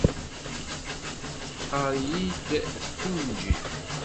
Teɣɣar-iyi-d Kenji.